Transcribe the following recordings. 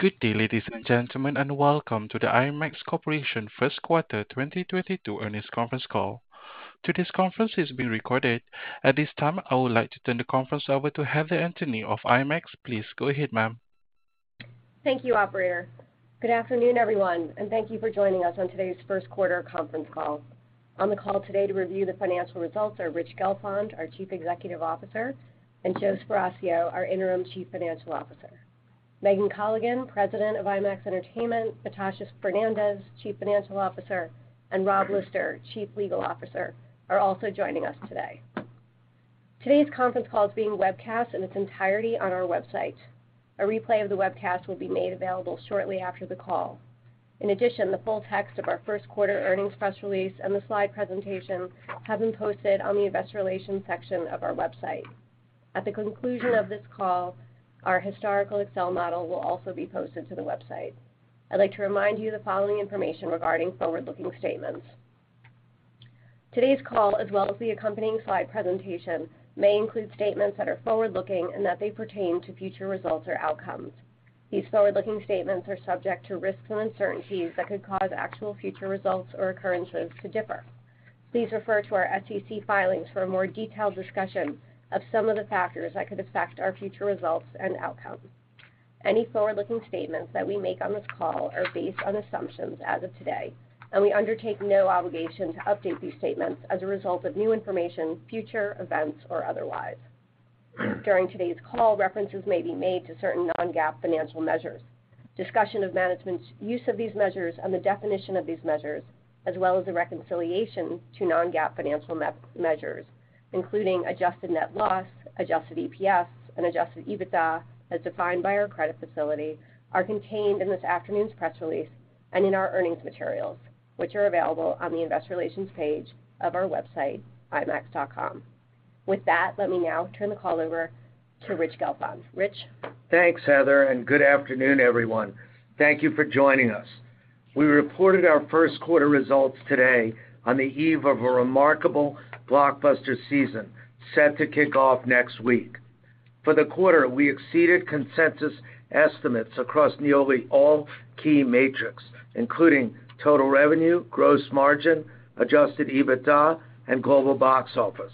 Good day, ladies and gentlemen, and welcome to the IMAX Corporation First Quarter 2022 Earnings Conference Call. Today's conference is being recorded. At this time, I would like to turn the conference over to Heather Anthony of IMAX. Please go ahead, ma'am. Thank you, operator. Good afternoon, everyone, and thank you for joining us on today's first quarter conference call. On the call today to review the financial results are Rich Gelfond, our Chief Executive Officer, and Joe Sparacio, our interim Chief Financial Officer. Megan Colligan, President of IMAX Entertainment, Natasha Fernandes, Chief Financial Officer, and Rob Lister, Chief Legal Officer, are also joining us today. Today's conference call is being webcast in its entirety on our website. A replay of the webcast will be made available shortly after the call. In addition, the full text of our first quarter earnings press release and the slide presentation have been posted on the investor relations section of our website. At the conclusion of this call, our historical Excel model will also be posted to the website. I'd like to remind you the following information regarding forward-looking statements. Today's call, as well as the accompanying slide presentation, may include statements that are forward-looking and pertain to future results or outcomes. These forward-looking statements are subject to risks and uncertainties that could cause actual future results or occurrences to differ. Please refer to our SEC filings for a more detailed discussion of some of the factors that could affect our future results and outcomes. Any forward-looking statements that we make on this call are based on assumptions as of today, and we undertake no obligation to update these statements as a result of new information, future events, or otherwise. During today's call, references may be made to certain non-GAAP financial measures. Discussion of management's use of these measures and the definition of these measures, as well as the reconciliation to non-GAAP financial measures, including adjusted net loss, adjusted EPS, and adjusted EBITDA as defined by our credit facility, are contained in this afternoon's press release and in our earnings materials, which are available on the investor relations page of our website, imax.com. With that, let me now turn the call over to Rich Gelfond. Rich. Thanks, Heather, and good afternoon, everyone. Thank you for joining us. We reported our first quarter results today on the eve of a remarkable blockbuster season set to kick off next week. For the quarter, we exceeded consensus estimates across nearly all key metrics, including total revenue, gross margin, adjusted EBITDA, and global box office.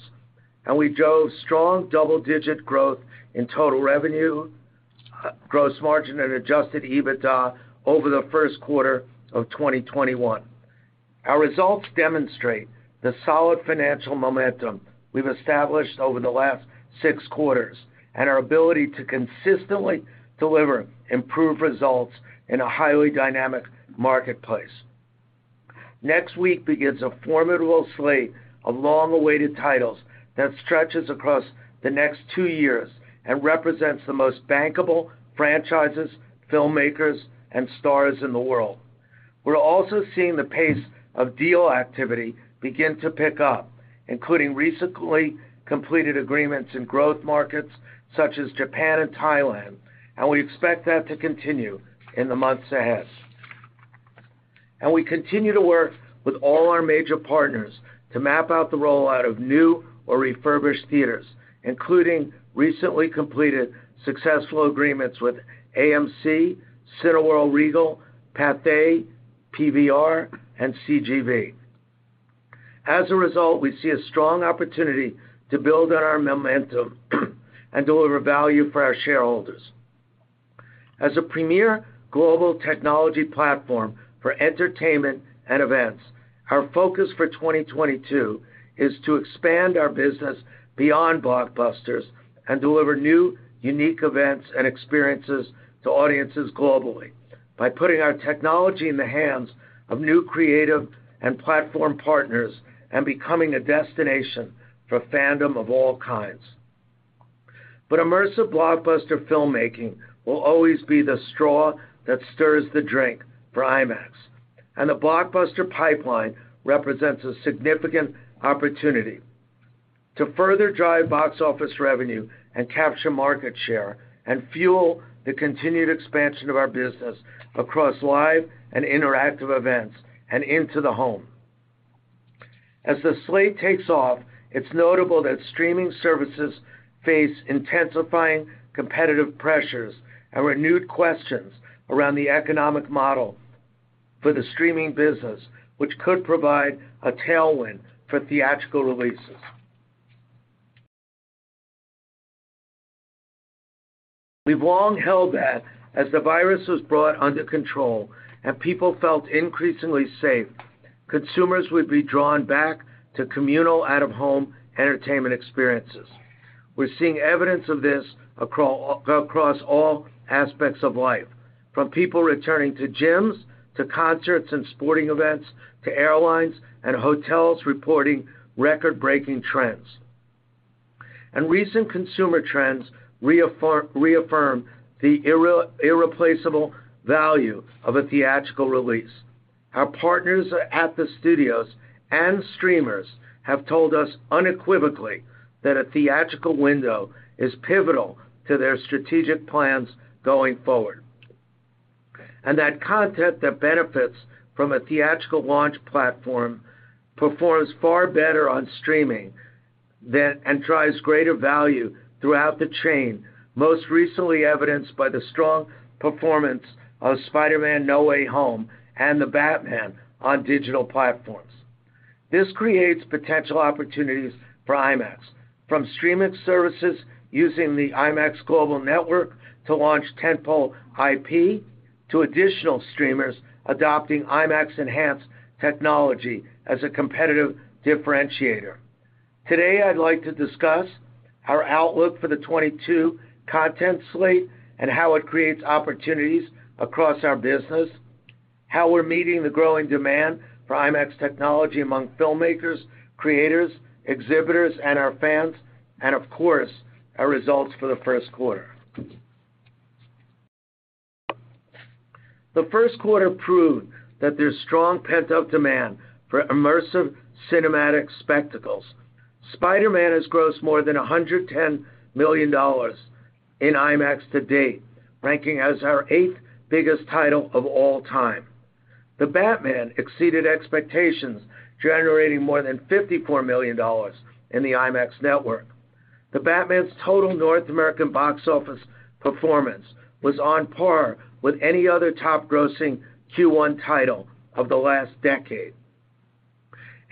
We drove strong double-digit growth in total revenue, gross margin, and adjusted EBITDA over the first quarter of 2021. Our results demonstrate the solid financial momentum we've established over the last six quarters and our ability to consistently deliver improved results in a highly dynamic marketplace. Next week begins a formidable slate of long-awaited titles that stretches across the next two years and represents the most bankable franchises, filmmakers, and stars in the world. We're also seeing the pace of deal activity begin to pick up, including recently completed agreements in growth markets such as Japan and Thailand, and we expect that to continue in the months ahead. We continue to work with all our major partners to map out the rollout of new or refurbished theaters, including recently completed successful agreements with AMC, Cineworld Regal, Pathé, PVR, and CGV. As a result, we see a strong opportunity to build on our momentum and deliver value for our shareholders. As a premier global technology platform for entertainment and events, our focus for 2022 is to expand our business beyond blockbusters and deliver new, unique events and experiences to audiences globally by putting our technology in the hands of new creative and platform partners and becoming a destination for fandom of all kinds. Immersive blockbuster filmmaking will always be the straw that stirs the drink for IMAX, and the blockbuster pipeline represents a significant opportunity to further drive box office revenue and capture market share and fuel the continued expansion of our business across live and interactive events and into the home. As the slate takes off, it's notable that streaming services face intensifying competitive pressures and renewed questions around the economic model for the streaming business, which could provide a tailwind for theatrical releases. We've long held that as the virus was brought under control and people felt increasingly safe, consumers would be drawn back to communal out-of-home entertainment experiences. We're seeing evidence of this across all aspects of life, from people returning to gyms, to concerts and sporting events, to airlines and hotels reporting record-breaking trends. Recent consumer trends reaffirm the irreplaceable value of a theatrical release. Our partners at the studios and streamers have told us unequivocally that a theatrical window is pivotal to their strategic plans going forward, and that content that benefits from a theatrical launch platform performs far better on streaming. That and drives greater value throughout the chain, most recently evidenced by the strong performance of Spider-Man: No Way Home and The Batman on digital platforms. This creates potential opportunities for IMAX from streaming services using the IMAX global network to launch tent-pole IP, to additional streamers adopting IMAX Enhanced technology as a competitive differentiator. Today, I'd like to discuss our outlook for the 2022 content slate and how it creates opportunities across our business, how we're meeting the growing demand for IMAX technology among filmmakers, creators, exhibitors, and our fans, and of course, our results for the first quarter. The first quarter proved that there's strong pent-up demand for immersive cinematic spectacles. Spider-Man has grossed more than $110 million in IMAX to date, ranking as our eighth biggest title of all time. The Batman exceeded expectations, generating more than $54 million in the IMAX network. The Batman's total North American box office performance was on par with any other top grossing Q1 title of the last decade.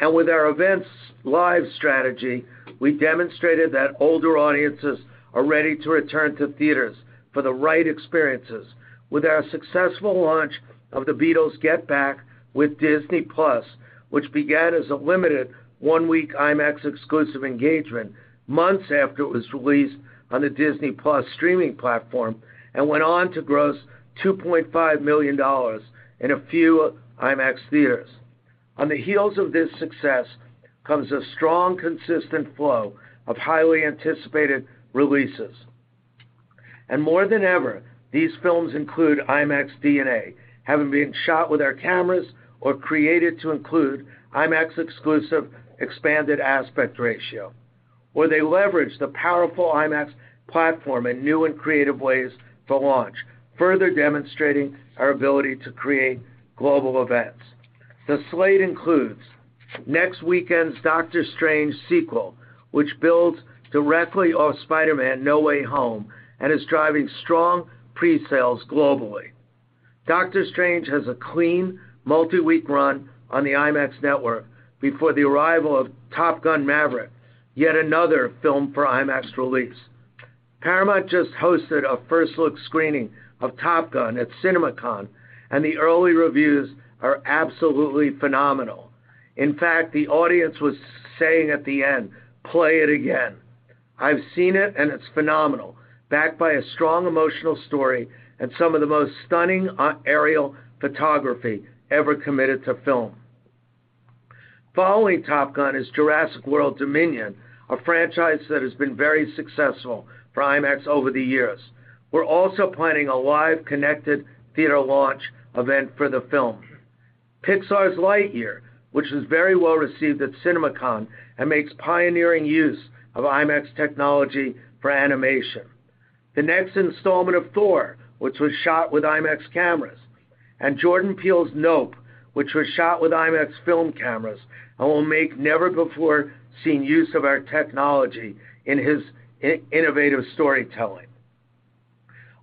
With our events live strategy, we demonstrated that older audiences are ready to return to theaters for the right experiences with our successful launch of The Beatles: Get Back with Disney+, which began as a limited one-week IMAX exclusive engagement months after it was released on the Disney+ streaming platform and went on to gross $2.5 million in a few IMAX theaters. On the heels of this success comes a strong, consistent flow of highly anticipated releases. More than ever, these films include IMAX DNA, having been shot with our cameras or created to include IMAX exclusive expanded aspect ratio, where they leverage the powerful IMAX platform in new and creative ways to launch, further demonstrating our ability to create global events. The slate includes next weekend's Doctor Strange sequel, which builds directly off Spider-Man: No Way Home and is driving strong presales globally. Doctor Strange has a clean multi-week run on the IMAX network before the arrival of Top Gun: Maverick, yet another film for IMAX release. Paramount just hosted a first-look screening of Top Gun at CinemaCon, and the early reviews are absolutely phenomenal. In fact, the audience was saying at the end, "Play it again." I've seen it, and it's phenomenal, backed by a strong emotional story and some of the most stunning, aerial photography ever committed to film. Following Top Gun is Jurassic World Dominion, a franchise that has been very successful for IMAX over the years. We're also planning a live connected theater launch event for the film. Pixar's Lightyear, which was very well-received at CinemaCon and makes pioneering use of IMAX technology for animation. The next installment of Thor, which was shot with IMAX cameras, and Jordan Peele's Nope, which was shot with IMAX film cameras and will make never-before-seen use of our technology in his innovative storytelling.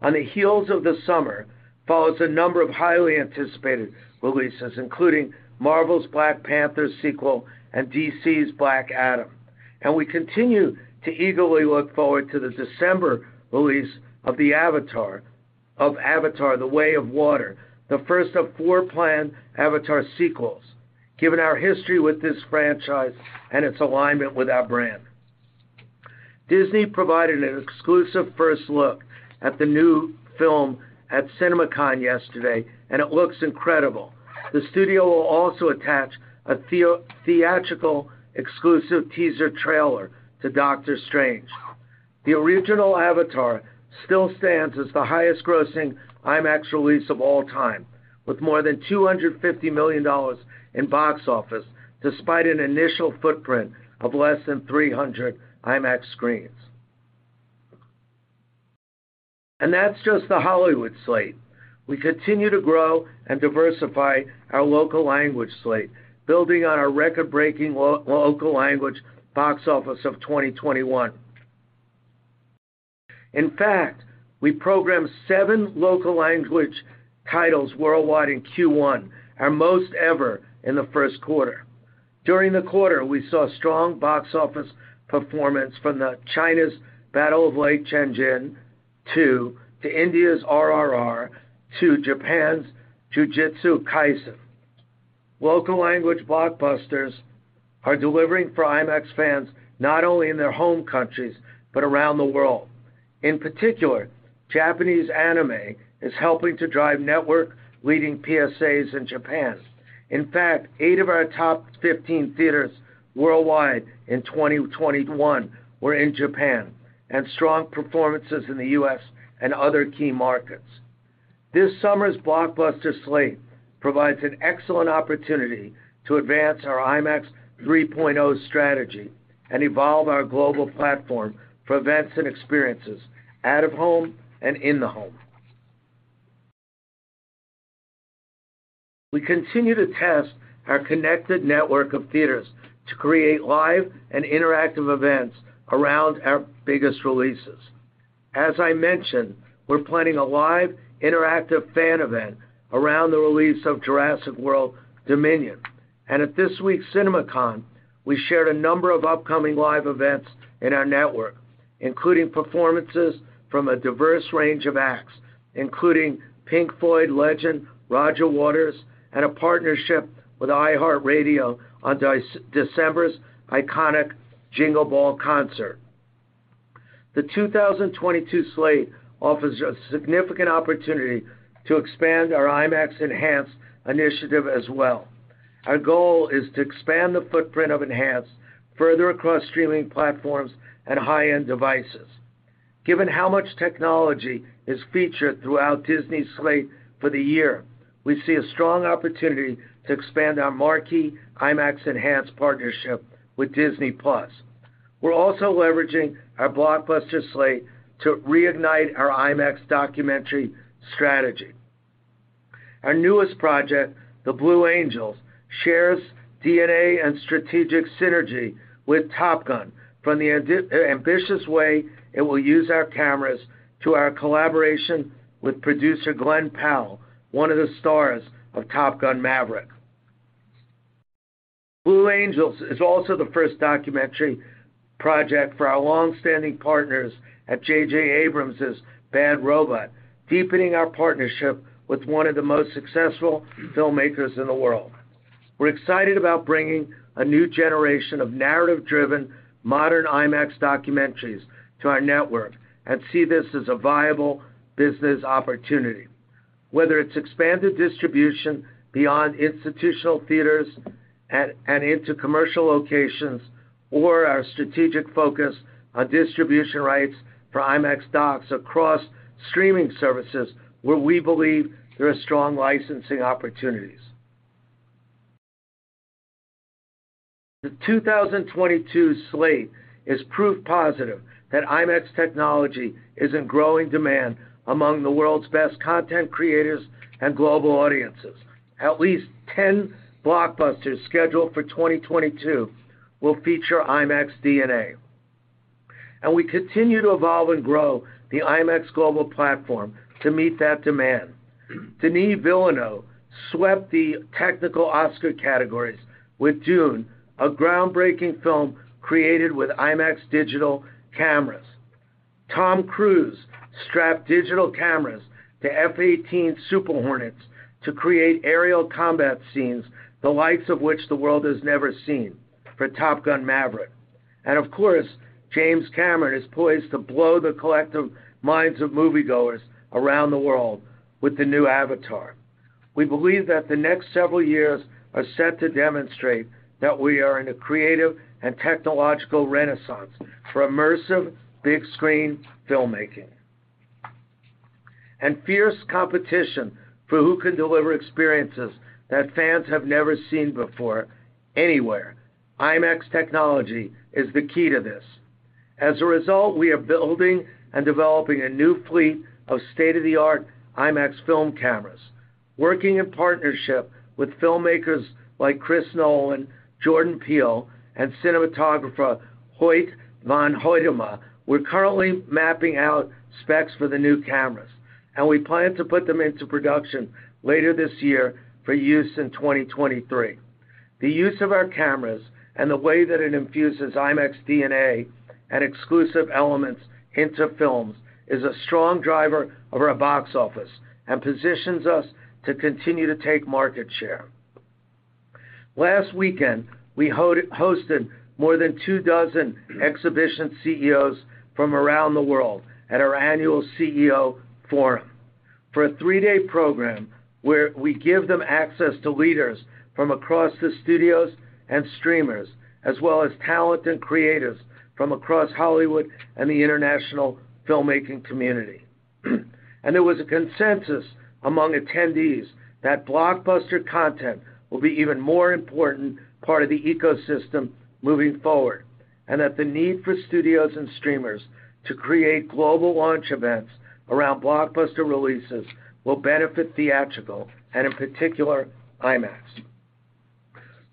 On the heels of the summer follows a number of highly anticipated releases, including Marvel's Black Panther sequel and DC's Black Adam. We continue to eagerly look forward to the December release of Avatar: The Way of Water, the first of four planned Avatar sequels, given our history with this franchise and its alignment with our brand. Disney provided an exclusive first look at the new film at CinemaCon yesterday, and it looks incredible. The studio will also attach a theatrical exclusive teaser trailer to Doctor Strange. The original Avatar still stands as the highest grossing IMAX release of all time, with more than $250 million in box office despite an initial footprint of less than 300 IMAX screens. That's just the Hollywood slate. We continue to grow and diversify our local language slate, building on our record-breaking local language box office of 2021. In fact, we programmed seven local language titles worldwide in Q1, our most ever in the first quarter. During the quarter, we saw strong box office performance from China's The Battle at Lake Changjin II, to India's RRR, to Japan's Jujutsu Kaisen. Local language blockbusters are delivering for IMAX fans, not only in their home countries but around the world. In particular, Japanese anime is helping to drive network-leading PSAs in Japan. In fact, eight of our top 15 theaters worldwide in 2021 were in Japan, and strong performances in the U.S. and other key markets. This summer's blockbuster slate provides an excellent opportunity to advance our IMAX 3.0 strategy and evolve our global platform for events and experiences out of home and in the home. We continue to test our connected network of theaters to create live and interactive events around our biggest releases. As I mentioned, we're planning a live interactive fan event around the release of Jurassic World Dominion. At this week's CinemaCon, we shared a number of upcoming live events in our network, including performances from a diverse range of acts, including Pink Floyd legend, Roger Waters, and a partnership with iHeartRadio on December's iconic Jingle Ball concert. The 2022 slate offers a significant opportunity to expand our IMAX Enhanced initiative as well. Our goal is to expand the footprint of Enhanced further across streaming platforms and high-end devices. Given how much technology is featured throughout Disney's slate for the year, we see a strong opportunity to expand our marquee IMAX Enhanced partnership with Disney+. We're also leveraging our blockbuster slate to reignite our IMAX documentary strategy. Our newest project, The Blue Angels, shares DNA and strategic synergy with Top Gun from the ambitious way it will use our cameras to our collaboration with producer Glen Powell, one of the stars of Top Gun: Maverick. Blue Angels is also the first documentary project for our long-standing partners at J.J. Abrams' Bad Robot, deepening our partnership with one of the most successful filmmakers in the world. We're excited about bringing a new generation of narrative-driven, modern IMAX documentaries to our network and see this as a viable business opportunity, whether it's expanded distribution beyond institutional theaters and into commercial locations, or our strategic focus on distribution rights for IMAX docs across streaming services, where we believe there are strong licensing opportunities. The 2022 slate is proof positive that IMAX technology is in growing demand among the world's best content creators and global audiences. At least 10 blockbusters scheduled for 2022 will feature IMAX DNA. We continue to evolve and grow the IMAX global platform to meet that demand. Denis Villeneuve swept the technical Oscar categories with Dune, a groundbreaking film created with IMAX digital cameras. Tom Cruise strapped digital cameras to F-18 Super Hornets to create aerial combat scenes the likes of which the world has never seen for Top Gun: Maverick. Of course, James Cameron is poised to blow the collective minds of moviegoers around the world with the new Avatar. We believe that the next several years are set to demonstrate that we are in a creative and technological renaissance for immersive big-screen filmmaking. Fierce competition for who can deliver experiences that fans have never seen before anywhere. IMAX technology is the key to this. As a result, we are building and developing a new fleet of state-of-the-art IMAX film cameras. Working in partnership with filmmakers like Chris Nolan, Jordan Peele, and cinematographer Hoyte van Hoytema, we're currently mapping out specs for the new cameras, and we plan to put them into production later this year for use in 2023. The use of our cameras and the way that it infuses IMAX DNA and exclusive elements into films is a strong driver of our box office and positions us to continue to take market share. Last weekend, we hosted more than two dozen exhibition CEOs from around the world at our annual CEO Forum for a three-day program where we give them access to leaders from across the studios and streamers, as well as talent and creatives from across Hollywood and the international filmmaking community. There was a consensus among attendees that blockbuster content will be even more important part of the ecosystem moving forward, and that the need for studios and streamers to create global launch events around blockbuster releases will benefit theatrical and, in particular, IMAX.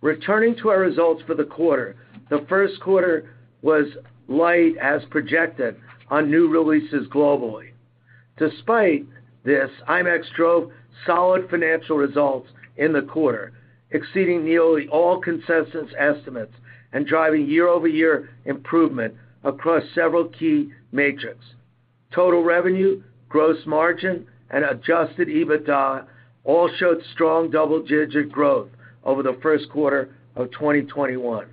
Returning to our results for the quarter, the first quarter was light as projected on new releases globally. Despite this, IMAX drove solid financial results in the quarter, exceeding nearly all consensus estimates and driving year-over-year improvement across several key metrics. Total revenue, gross margin, and Adjusted EBITDA all showed strong double-digit growth over the first quarter of 2021.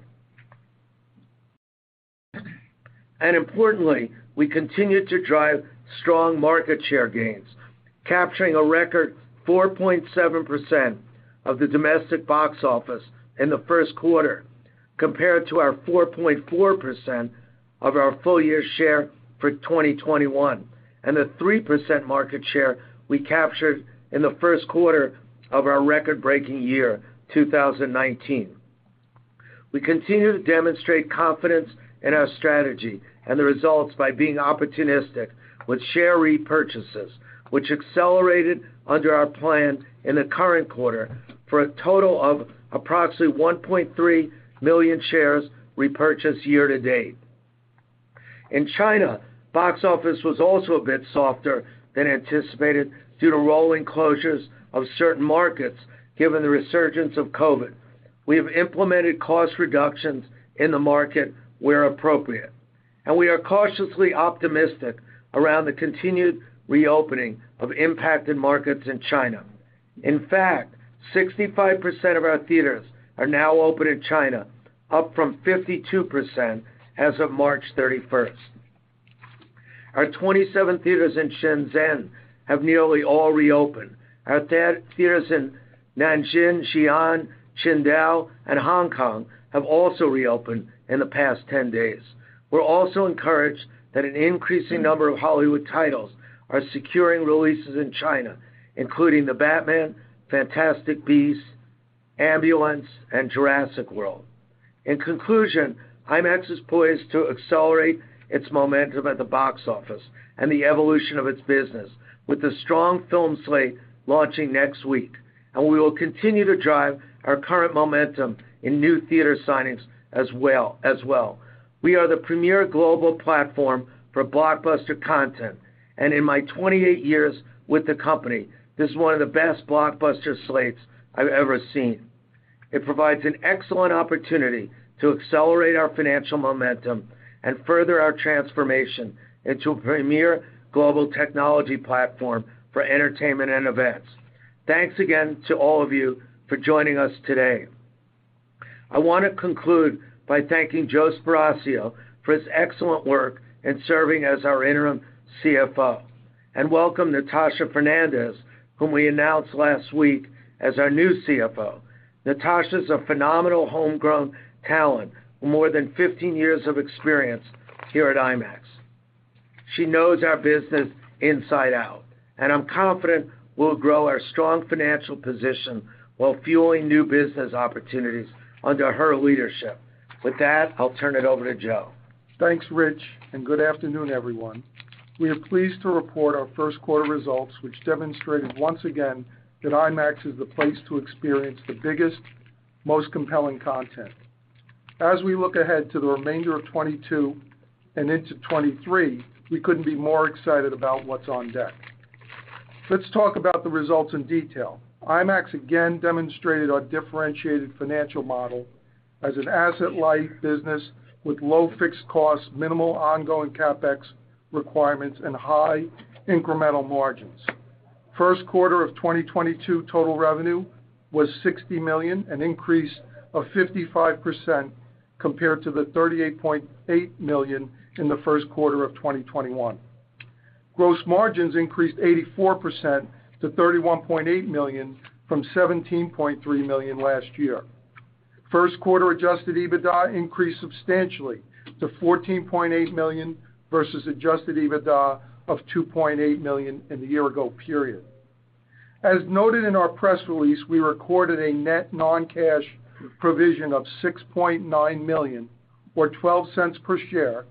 Importantly, we continued to drive strong market share gains, capturing a record 4.7% of the domestic box office in the first quarter compared to our 4.4% of our full-year share for 2021 and the 3% market share we captured in the first quarter of our record-breaking year, 2019. We continue to demonstrate confidence in our strategy and the results by being opportunistic with share repurchases, which accelerated under our plan in the current quarter for a total of approximately 1.3 million shares repurchased year-to-date. In China, box office was also a bit softer than anticipated due to rolling closures of certain markets given the resurgence of COVID. We have implemented cost reductions in the market where appropriate, and we are cautiously optimistic around the continued reopening of impacted markets in China. In fact, 65% of our theaters are now open in China, up from 52% as of March 31st. Our 27 theaters in Shenzhen have nearly all reopened. Our theaters in Nanjing, Xi'an, Qingdao and Hong Kong have also reopened in the past 10 days. We're also encouraged that an increasing number of Hollywood titles are securing releases in China, including The Batman, Fantastic Beasts, Ambulance and Jurassic World. In conclusion, IMAX is poised to accelerate its momentum at the box office and the evolution of its business with a strong film slate launching next week, and we will continue to drive our current momentum in new theater signings as well. We are the premier global platform for blockbuster content, and in my 28 years with the company, this is one of the best blockbuster slates I've ever seen. It provides an excellent opportunity to accelerate our financial momentum and further our transformation into a premier global technology platform for entertainment and events. Thanks again to all of you for joining us today. I want to conclude by thanking Joe Sparacio for his excellent work in serving as our interim CFO and welcome Natasha Fernandes, whom we announced last week as our new CFO. Natasha is a phenomenal homegrown talent with more than 15 years of experience here at IMAX. She knows our business inside out, and I'm confident we'll grow our strong financial position while fueling new business opportunities under her leadership. With that, I'll turn it over to Joe. Thanks, Rich, and good afternoon, everyone. We are pleased to report our first quarter results, which demonstrated once again that IMAX is the place to experience the biggest, most compelling content. As we look ahead to the remainder of 2022 and into 2023, we couldn't be more excited about what's on deck. Let's talk about the results in detail. IMAX again demonstrated our differentiated financial model as an asset-light business with low fixed costs, minimal ongoing CapEx requirements and high incremental margins. First quarter of 2022 total revenue was $60 million, an increase of 55% compared to the $38.8 million in the first quarter of 2021. Gross margins increased 84% to $31.8 million from $17.3 million last year. First quarter adjusted EBITDA increased substantially to $14.8 million versus Adjusted EBITDA of $2.8 million in the year-ago period. As noted in our press release, we recorded a net non-cash provision of $6.9 million, or $0.12 per share,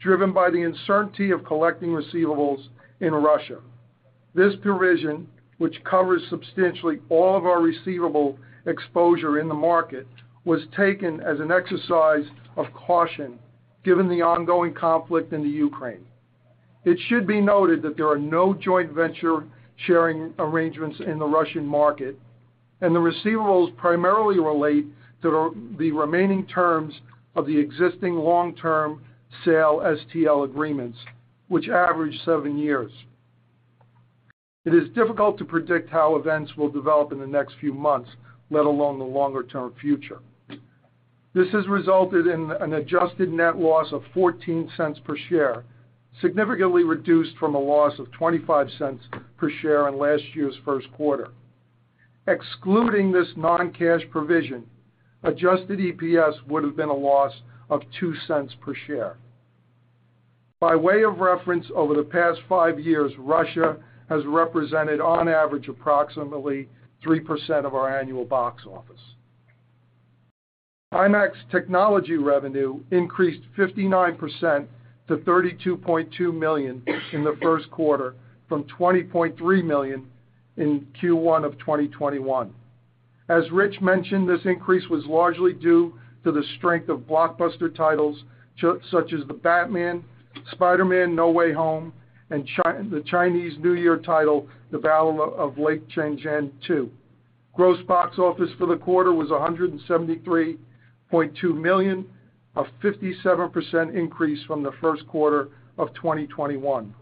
driven by the uncertainty of collecting receivables in Russia. This provision, which covers substantially all of our receivable exposure in the market, was taken as an exercise of caution given the ongoing conflict in the Ukraine. It should be noted that there are no joint venture sharing arrangements in the Russian market, and the receivables primarily relate to the remaining terms of the existing long-term sale STL agreements, which average seven years. It is difficult to predict how events will develop in the next few months, let alone the longer-term future. This has resulted in an adjusted net loss of $0.14 per share, significantly reduced from a loss of $0.25 per share in last year's first quarter. Excluding this non-cash provision, adjusted EPS would have been a loss of $0.02 per share. By way of reference, over the past five years, Russia has represented on average approximately 3% of our annual box office. IMAX technology revenue increased 59% to $32.2 million in the first quarter from $20.3 million in Q1 of 2021. As Rich mentioned, this increase was largely due to the strength of blockbuster titles such as The Batman, Spider-Man: No Way Home, and the Chinese New Year title, The Battle at Lake Changjin II. Gross box office for the quarter was $173.2 million, a 57% increase from the first quarter of 2021.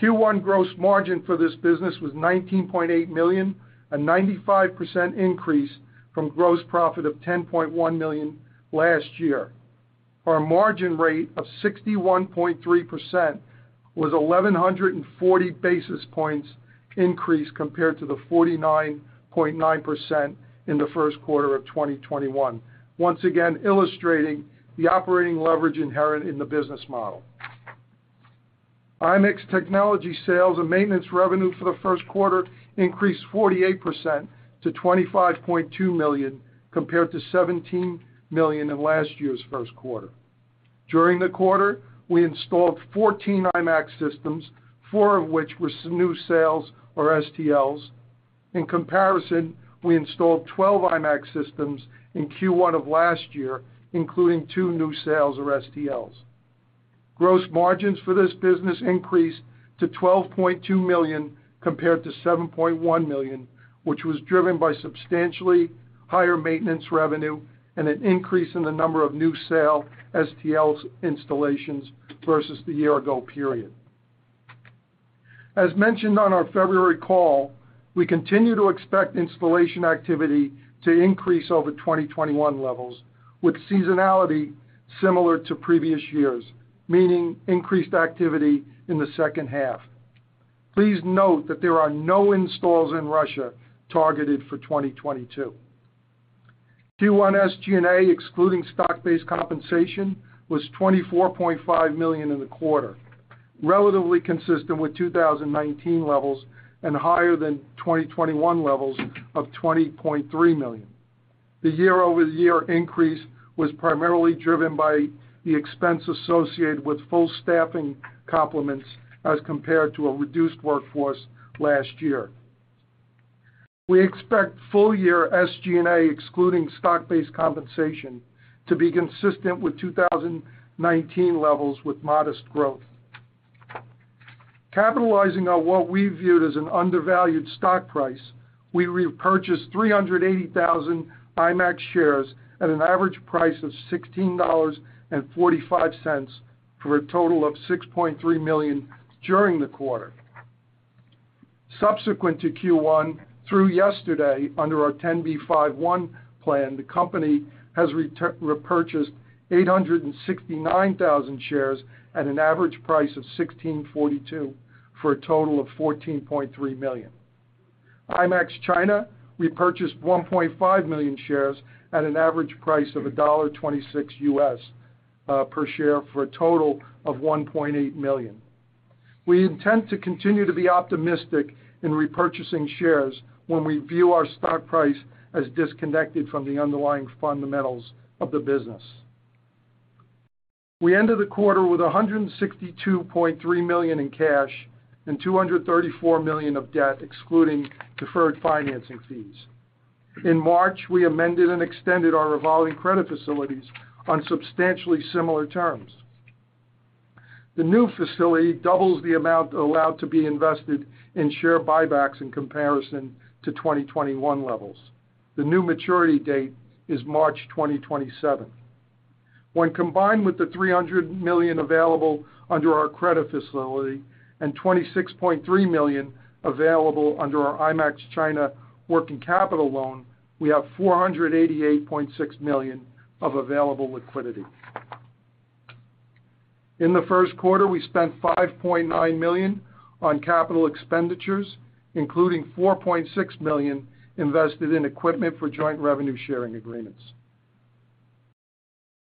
Q1 gross margin for this business was $19.8 million, a 95% increase from gross profit of $10.1 million last year. Our margin rate of 61.3% was 1,140 basis points increase compared to the 49.9% in the first quarter of 2021. Once again illustrating the operating leverage inherent in the business model. IMAX technology sales and maintenance revenue for the first quarter increased 48% to $25.2 million, compared to $17 million in last year's first quarter. During the quarter, we installed 14 IMAX systems, four of which were new sales or STLs. In comparison, we installed 12 IMAX systems in Q1 of last year, including two new sales or STLs. Gross margins for this business increased to $12.2 million compared to $7.1 million, which was driven by substantially higher maintenance revenue and an increase in the number of new sale STLs installations versus the year-ago period. As mentioned on our February call, we continue to expect installation activity to increase over 2021 levels with seasonality similar to previous years, meaning increased activity in the second half. Please note that there are no installs in Russia targeted for 2022. Q1 SG&A, excluding stock-based compensation, was $24.5 million in the quarter, relatively consistent with 2019 levels and higher than 2021 levels of $20.3 million. The year-over-year increase was primarily driven by the expense associated with full staffing complements as compared to a reduced workforce last year. We expect full-year SG&A, excluding stock-based compensation, to be consistent with 2019 levels with modest growth. Capitalizing on what we viewed as an undervalued stock price, we repurchased 380,000 IMAX shares at an average price of $16.45 for a total of $6.3 million during the quarter. Subsequent to Q1 through yesterday, under our 10b5-1 plan, the company has repurchased 869,000 shares at an average price of $16.42 for a total of $14.3 million. IMAX China repurchased 1.5 million shares at an average price of $1.26 per share for a total of $1.8 million. We intend to continue to be optimistic in repurchasing shares when we view our stock price as disconnected from the underlying fundamentals of the business. We ended the quarter with $162.3 million in cash and $234 million of debt excluding deferred financing fees. In March, we amended and extended our revolving credit facilities on substantially similar terms. The new facility doubles the amount allowed to be invested in share buybacks in comparison to 2021 levels. The new maturity date is March 2027. When combined with the $300 million available under our credit facility and $26.3 million available under our IMAX China working capital loan, we have $488.6 million of available liquidity. In the first quarter, we spent $5.9 million on capital expenditures, including $4.6 million invested in equipment for joint revenue sharing agreements.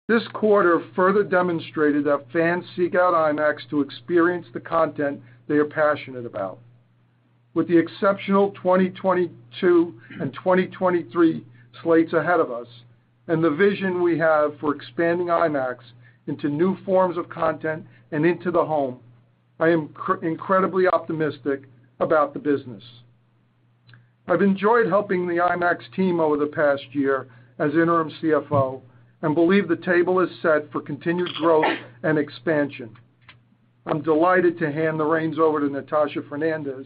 This quarter further demonstrated that fans seek out IMAX to experience the content they are passionate about. With the exceptional 2022 and 2023 slates ahead of us and the vision we have for expanding IMAX into new forms of content and into the home, I am incredibly optimistic about the business. I've enjoyed helping the IMAX team over the past year as interim CFO and believe the table is set for continued growth and expansion. I'm delighted to hand the reins over to Natasha Fernandes,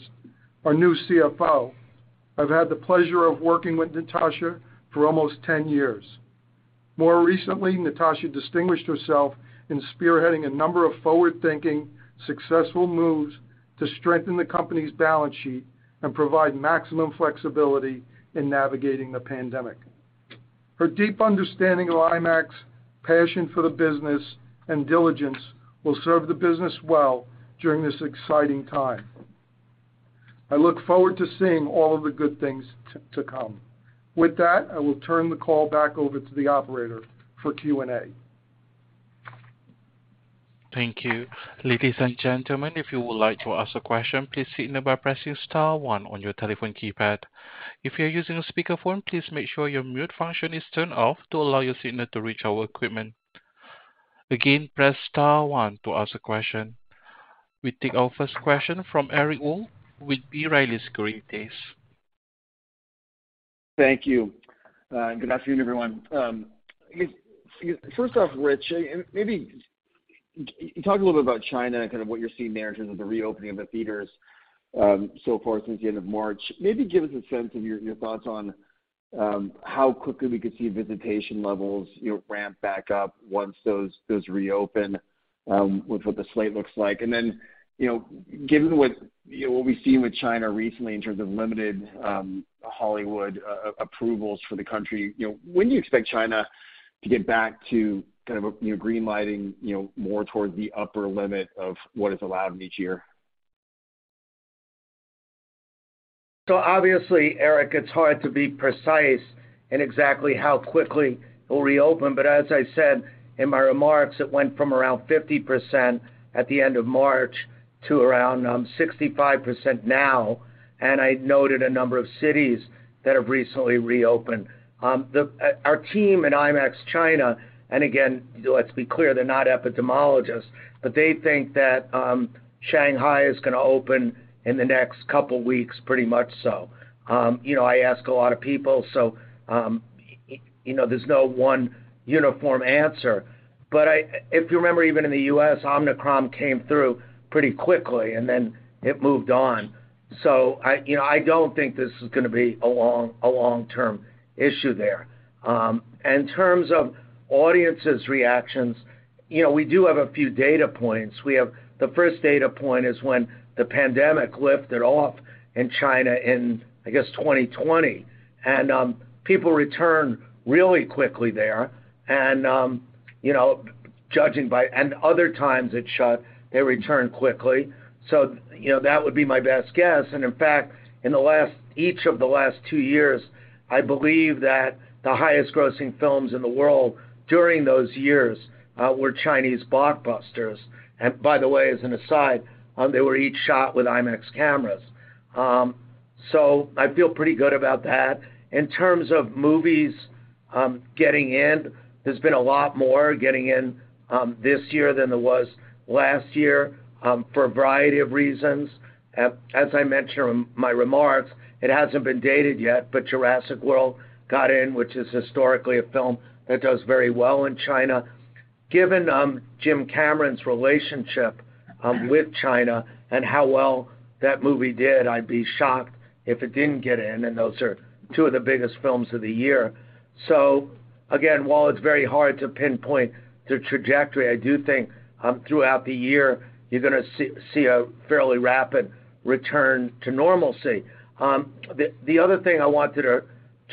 our new CFO. I've had the pleasure of working with Natasha for almost 10 years. More recently, Natasha distinguished herself in spearheading a number of forward-thinking, successful moves to strengthen the company's balance sheet and provide maximum flexibility in navigating the pandemic. Her deep understanding of IMAX, passion for the business, and diligence will serve the business well during this exciting time. I look forward to seeing all of the good things to come. With that, I will turn the call back over to the operator for Q&A. Thank you. Ladies and gentlemen, if you would like to ask a question, please signal by pressing star one on your telephone keypad. If you're using a speakerphone, please make sure your mute function is turned off to allow your signal to reach our equipment. Again, press star one to ask a question. We take our first question from Eric Wold with B. Riley Securities. Thank you. Good afternoon, everyone. First off, Rich, maybe talk a little bit about China and kind of what you're seeing there in terms of the reopening of the theaters, so far since the end of March. Maybe give us a sense of your thoughts on, how quickly we could see visitation levels, you know, ramp back up once those reopen, with what the slate looks like. You know, given what, you know, what we've seen with China recently in terms of limited, Hollywood approvals for the country, you know, when do you expect China to get back to kind of, you know, green-lighting, you know, more towards the upper limit of what is allowed each year? Obviously, Eric, it's hard to be precise in exactly how quickly it will reopen. As I said in my remarks, it went from around 50% at the end of March to around 65% now, and I noted a number of cities that have recently reopened. Our team in IMAX China, and again, let's be clear, they're not epidemiologists, but they think that Shanghai is gonna open in the next couple weeks, pretty much so. You know, I ask a lot of people, so, you know, there's no one uniform answer. If you remember, even in the U.S., OMICRON came through pretty quickly, and then it moved on. You know, I don't think this is gonna be a long-term issue there. In terms of audiences' reactions, you know, we do have a few data points. We have the first data point is when the pandemic lifted off in China in, I guess, 2020, and people returned really quickly there. Other times it shut, they returned quickly. You know, that would be my best guess. In fact, in each of the last two years, I believe that the highest grossing films in the world during those years were Chinese blockbusters. By the way, as an aside, they were each shot with IMAX cameras. I feel pretty good about that. In terms of movies getting in, there's been a lot more getting in this year than there was last year for a variety of reasons. As I mentioned in my remarks, it hasn't been dated yet, but Jurassic World got in, which is historically a film that does very well in China. Given Jim Cameron's relationship with China and how well that movie did, I'd be shocked if it didn't get in, and those are two of the biggest films of the year. Again, while it's very hard to pinpoint the trajectory, I do think throughout the year you're gonna see a fairly rapid return to normalcy. The other thing I wanted to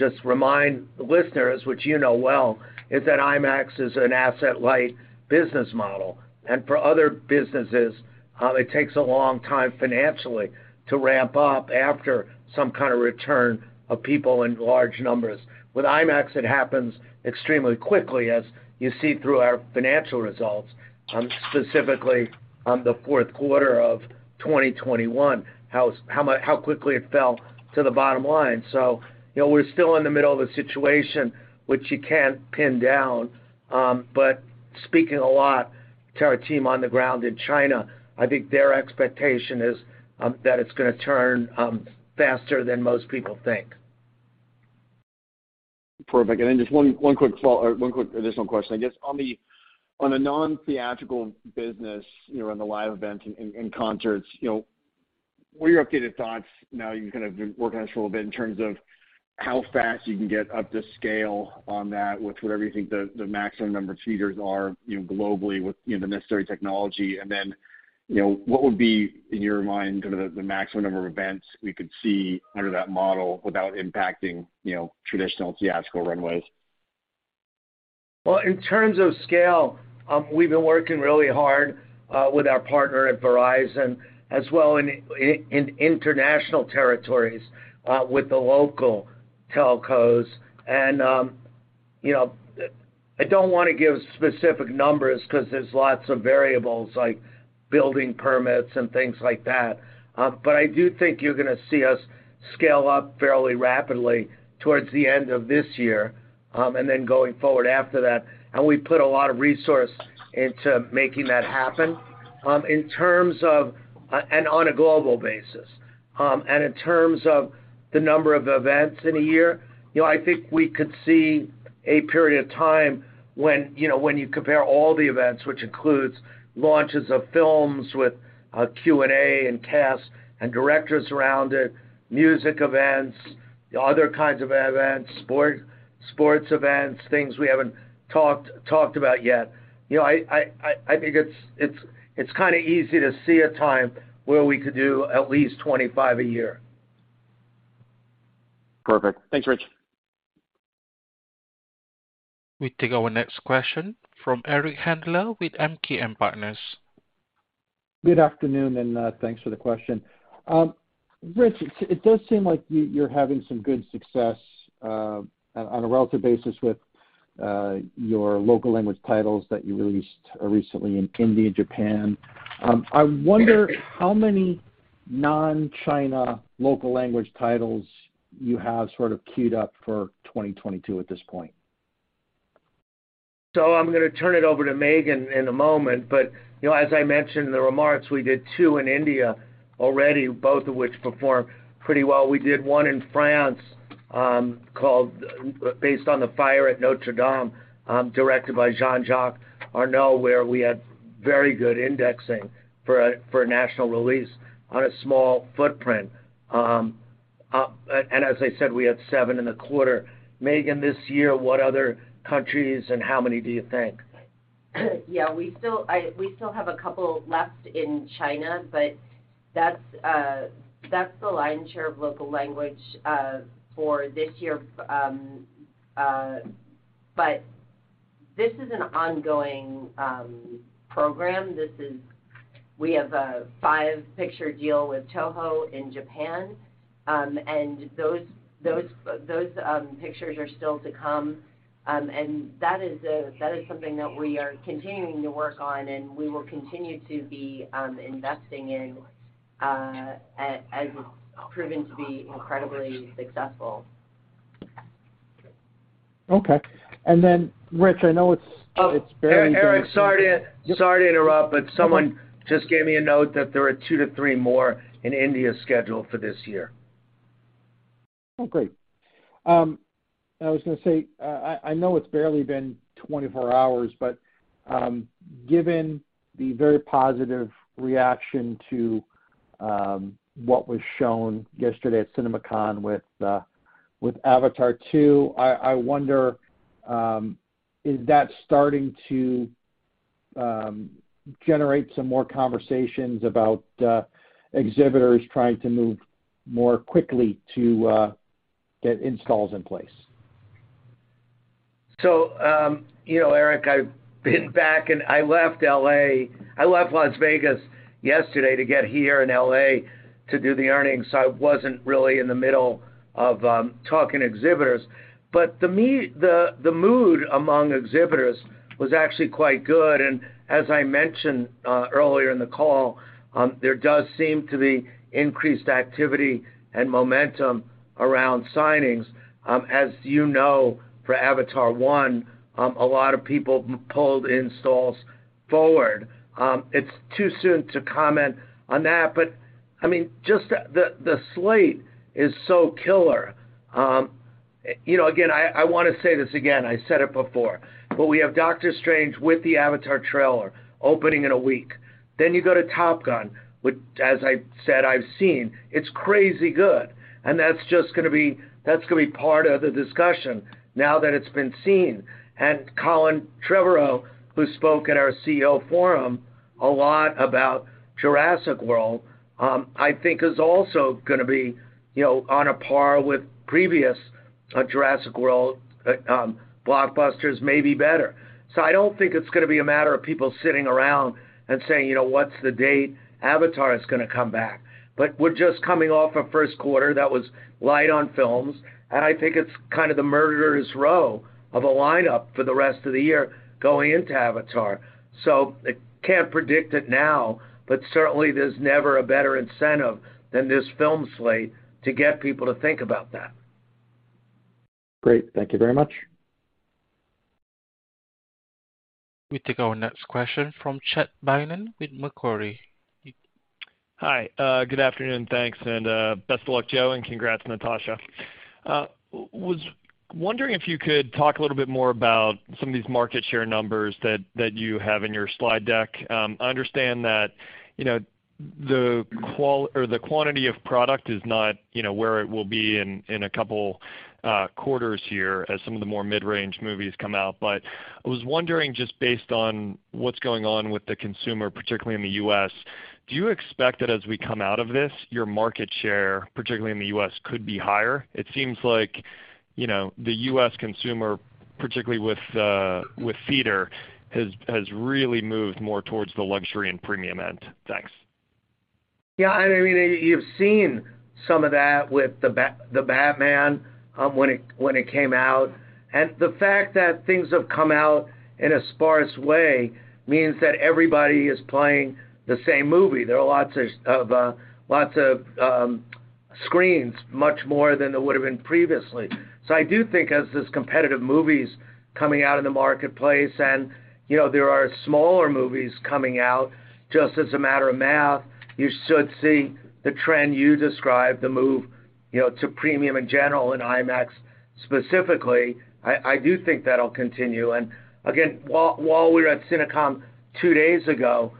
just remind listeners, which you know well, is that IMAX is an asset-light business model. For other businesses, it takes a long time financially to ramp up after some kind of return of people in large numbers. With IMAX, it happens extremely quickly, as you see through our financial results, specifically on the fourth quarter of 2021, how much, how quickly it fell to the bottom line. You know, we're still in the middle of a situation which you can't pin down, but speaking a lot to our team on the ground in China, I think their expectation is that it's gonna turn faster than most people think. Perfect. Then just one quick follow, or one quick additional question. I guess on a non-theatrical business, you know, in the live event and concerts, you know, what are your updated thoughts now you've kind of been working on this for a little bit in terms of how fast you can get up to scale on that with whatever you think the maximum number of theaters are, you know, globally with, you know, the necessary technology. Then, you know, what would be, in your mind, kind of the maximum number of events we could see under that model without impacting, you know, traditional theatrical runways? Well, in terms of scale, we've been working really hard with our partner at Verizon as well in international territories with the local telcos. You know, I don't wanna give specific numbers 'cause there's lots of variables like building permits and things like that. But I do think you're gonna see us scale up fairly rapidly towards the end of this year, and then going forward after that, and we put a lot of resource into making that happen in terms of and on a global basis. In terms of the number of events in a year, you know, I think we could see a period of time when, you know, when you compare all the events, which includes launches of films with Q&A and cast and directors around it, music events, other kinds of events, sports events, things we haven't talked about yet. You know, I think it's kinda easy to see a time where we could do at least 25 a year. Perfect. Thanks, Rich. We take our next question from Eric Handler with MKM Partners. Good afternoon, thanks for the question. Rich, it does seem like you're having some good success on a relative basis with your local language titles that you released recently in India and Japan. I wonder how many non-China local language titles you have sort of queued up for 2022 at this point. I'm gonna turn it over to Megan in a moment. You know, as I mentioned in the remarks, we did two in India already, both of which performed pretty well. We did one in France, called based on the fire at Notre-Dame, directed by Jean-Jacques Annaud, where we had very good indexing for a national release on a small footprint. As I said, we have 7.25. Megan, this year, what other countries and how many do you think? We still have a couple left in China, but that's the lion's share of local language for this year. This is an ongoing program. We have a five-picture deal with Toho in Japan, and those pictures are still to come. That is something that we are continuing to work on, and we will continue to be investing in, as it's proven to be incredibly successful. Okay. Rich, I know it's very- Eric, sorry to interrupt, but someone just gave me a note that there are two to three more in India scheduled for this year. Oh, great. I was gonna say, I know it's barely been 24 hours, but, given the very positive reaction to what was shown yesterday at CinemaCon with Avatar 2, I wonder, is that starting to generate some more conversations about exhibitors trying to move more quickly to get installs in place? You know, Eric, I've been back and I left L.A. I left Las Vegas yesterday to get here in L.A. to do the earnings, so I wasn't really in the middle of talking exhibitors. The mood among exhibitors was actually quite good. As I mentioned earlier in the call, there does seem to be increased activity and momentum around signings. As you know, for Avatar 1, a lot of people pulled installs forward. It's too soon to comment on that, but I mean, just the slate is so killer. You know, again, I wanna say this again, I said it before, but we have Doctor Strange with the Avatar trailer opening in a week. You go to Top Gun, which as I said, I've seen. It's crazy good. That's gonna be part of the discussion now that it's been seen. Colin Trevorrow, who spoke at our CEO forum a lot about Jurassic World, I think is also gonna be, you know, on a par with previous Jurassic World blockbusters, maybe better. I don't think it's gonna be a matter of people sitting around and saying, you know, "What's the date Avatar is gonna come back?" We're just coming off a first quarter that was light on films, and I think it's kind of the murderer's row of a lineup for the rest of the year going into Avatar. I can't predict it now, but certainly there's never a better incentive than this film slate to get people to think about that. Great. Thank you very much. We take our next question from Chad Beynon with Macquarie. Hi. Good afternoon, thanks. Best of luck, Joe, and congrats, Natasha. Was wondering if you could talk a little bit more about some of these market share numbers that you have in your slide deck. I understand that, you know, the quantity of product is not, you know, where it will be in a couple quarters here as some of the more mid-range movies come out. I was wondering, just based on what's going on with the consumer, particularly in the U.S., do you expect that as we come out of this, your market share, particularly in the U.S., could be higher? It seems like, you know, the U.S. consumer, particularly with theater, has really moved more towards the luxury and premium end. Thanks. Yeah, I mean, you've seen some of that with The Batman when it came out. The fact that things have come out in a sparse way means that everybody is playing the same movie. There are lots of screens, much more than there would have been previously. I do think as there's competitive movies coming out in the marketplace, and you know, there are smaller movies coming out, just as a matter of math, you should see the trend you described, the move you know, to premium in general, and IMAX specifically. I do think that'll continue. Again, while we were at CinemaCon two days ago,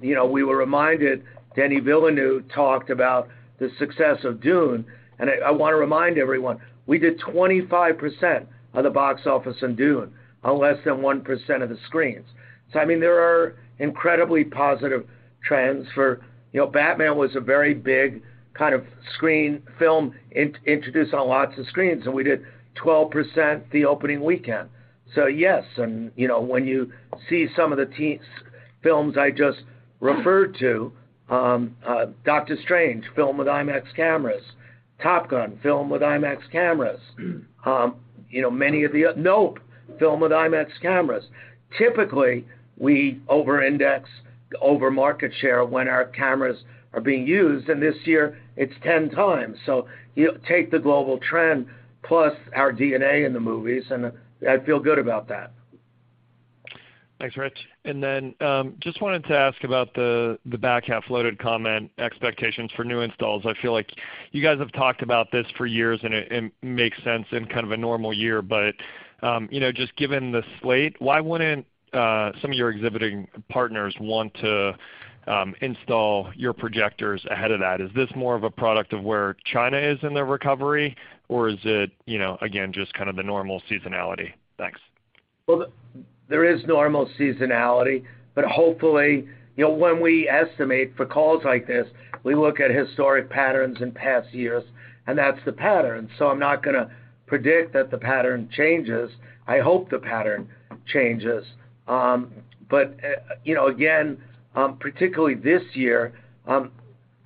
you know, we were reminded, Denis Villeneuve talked about the success of Dune. I wanna remind everyone, we did 25% of the box office in Dune on less than 1% of the screens. I mean, there are incredibly positive trends for. You know, Batman was a very big kind of screen film introduced on lots of screens, and we did 12% the opening weekend. Yes, and, you know, when you see some of the films I just referred to, Doctor Strange, film with IMAX cameras. Top Gun, film with IMAX cameras. You know, many of the. Nope, film with IMAX cameras. Typically, we over-index over market share when our cameras are being used, and this year it's 10 times. You take the global trend plus our DNA in the movies, and I feel good about that. Thanks, Rich. Just wanted to ask about the back half loaded comment expectations for new installs. I feel like you guys have talked about this for years and it makes sense in kind of a normal year. You know, just given the slate, why wouldn't some of your exhibiting partners want to install your projectors ahead of that? Is this more of a product of where China is in their recovery, or is it, you know, again, just kind of the normal seasonality? Thanks. Well, there is normal seasonality, but hopefully, you know, when we estimate for calls like this, we look at historic patterns in past years, and that's the pattern. So I'm not gonna predict that the pattern changes. I hope the pattern changes. You know, again, particularly this year,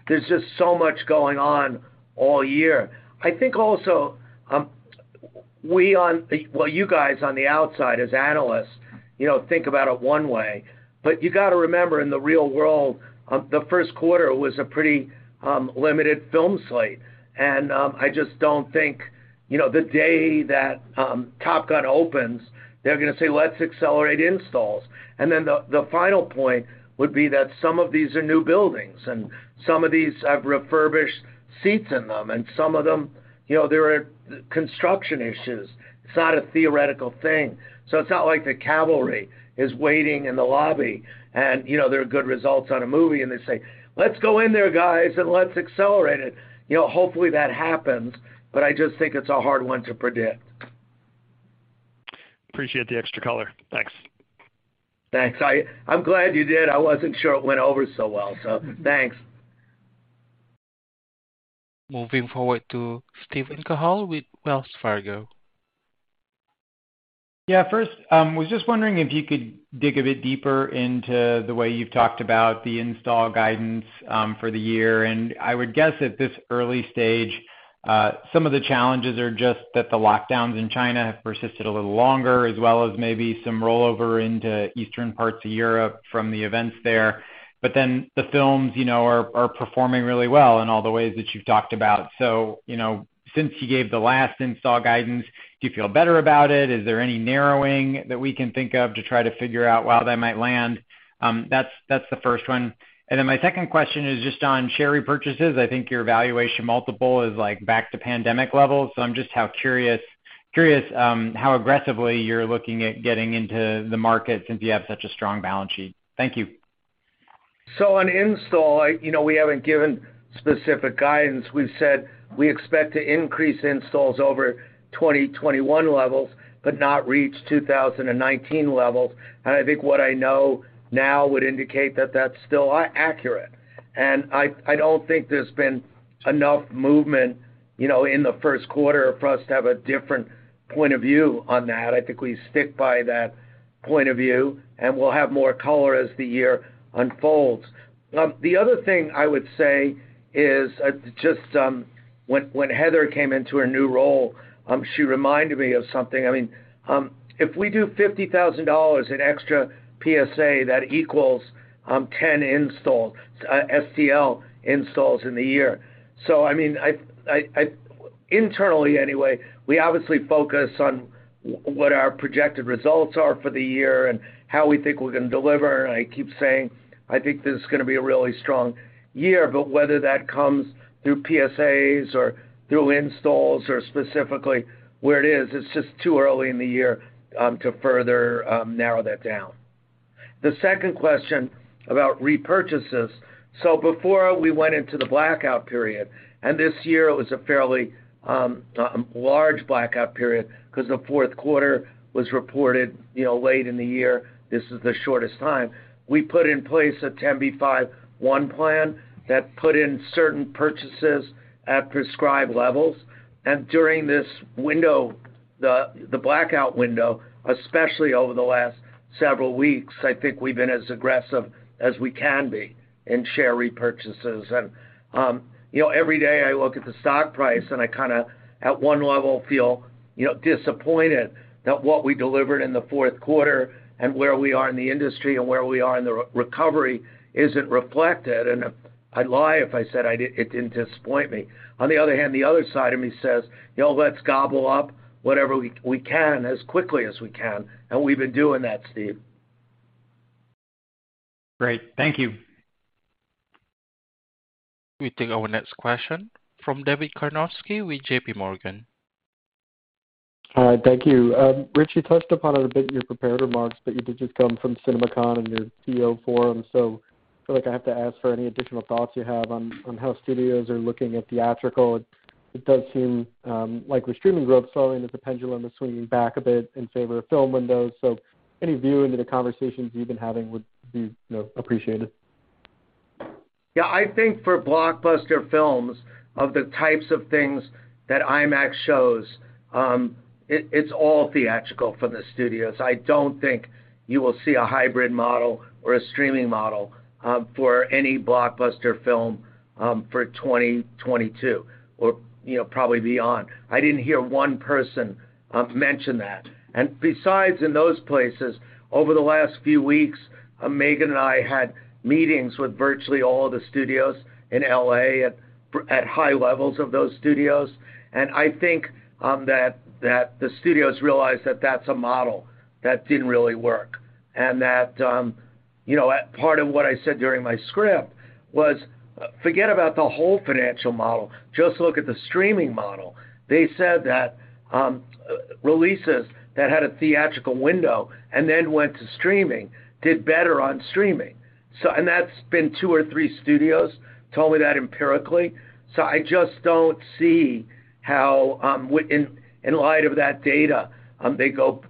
there's just so much going on all year. I think also, well, you guys on the outside as analysts, you know, think about it one way, but you gotta remember in the real world, the first quarter was a pretty limited film slate. I just don't think, you know, the day that Top Gun opens, they're gonna say, "Let's accelerate installs." The final point would be that some of these are new buildings and some of these have refurbished seats in them. Some of them, you know, there are construction issues. It's not a theoretical thing. It's not like the cavalry is waiting in the lobby and, you know, there are good results on a movie and they say, "Let's go in there, guys, and let's accelerate it." You know, hopefully, that happens, but I just think it's a hard one to predict. Appreciate the extra color. Thanks. Thanks. I'm glad you did. I wasn't sure it went over so well, so thanks. Moving forward to Steven Cahall with Wells Fargo. First, was just wondering if you could dig a bit deeper into the way you've talked about the install guidance for the year. I would guess at this early stage, some of the challenges are just that the lockdowns in China have persisted a little longer, as well as maybe some rollover into eastern parts of Europe from the events there. Then the films are performing really well in all the ways that you've talked about. Since you gave the last install guidance, do you feel better about it? Is there any narrowing that we can think of to try to figure out where that might land? That's the first one. Then my second question is just on share repurchases. I think your valuation multiple is, like, back to pandemic levels. I'm just curious how aggressively you're looking at getting into the market since you have such a strong balance sheet. Thank you. On install, you know, we haven't given specific guidance. We've said we expect to increase installs over 2021 levels but not reach 2019 levels. I think what I know now would indicate that that's still accurate. I don't think there's been enough movement, you know, in the first quarter for us to have a different point of view on that. I think we stick by that point of view, and we'll have more color as the year unfolds. The other thing I would say is just, when Heather came into her new role, she reminded me of something. I mean, if we do $50,000 in extra PSA, that equals 10 installs, STL installs in the year. I mean, internally anyway, we obviously focus on what our projected results are for the year and how we think we're gonna deliver. I keep saying, I think this is gonna be a really strong year. Whether that comes through PSAs or through installs or specifically where it is, it's just too early in the year to further narrow that down. The second question about repurchases. Before we went into the blackout period, and this year it was a fairly large blackout period 'cause the fourth quarter was reported, you know, late in the year, this is the shortest time. We put in place a 10b5-1 plan that put in certain purchases at prescribed levels. During this window, the blackout window, especially over the last several weeks, I think we've been as aggressive as we can be in share repurchases. You know, every day I look at the stock price and I kinda at one level feel, you know, disappointed that what we delivered in the fourth quarter and where we are in the industry and where we are in the recovery isn't reflected. I'd lie if I said it didn't disappoint me. On the other hand, the other side of me says, "You know, let's gobble up whatever we can as quickly as we can." We've been doing that, Steve. Great. Thank you. We take our next question from David Karnovsky with JPMorgan. Hi. Thank you. Rich, you touched upon it a bit in your prepared remarks, but you did just come from CinemaCon and your CEO forum. Feel like I have to ask for any additional thoughts you have on how studios are looking at theatrical. It does seem like with streaming growth slowing, that the pendulum is swinging back a bit in favor of film windows. Any view into the conversations you've been having would be, you know, appreciated. Yeah. I think for blockbuster films of the types of things that IMAX shows, it's all theatrical for the studios. I don't think you will see a hybrid model or a streaming model for any blockbuster film for 2022 or, you know, probably beyond. I didn't hear one person mention that. Besides in those places, over the last few weeks, Megan and I had meetings with virtually all of the studios in L.A. at high levels of those studios. I think that the studios realized that that's a model that didn't really work. That, you know, a part of what I said during my script was, forget about the whole financial model. Just look at the streaming model. They said that releases that had a theatrical window and then went to streaming did better on streaming. That's been two or three studios told me that empirically. I just don't see how in light of that data they go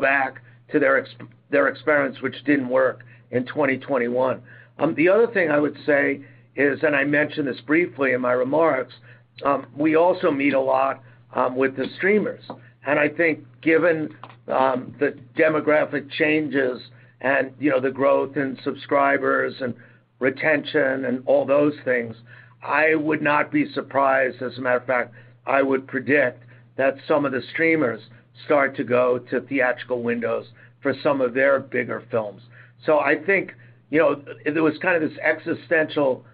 back to their experiments which didn't work in 2021. The other thing I would say is I mentioned this briefly in my remarks. We also meet a lot with the streamers. I think given the demographic changes and you know the growth in subscribers and retention and all those things I would not be surprised. As a matter of fact I would predict that some of the streamers start to go to theatrical windows for some of their bigger films. I think, you know, there was kind of this existential